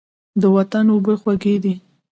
د وطن اوبه خوږې دي.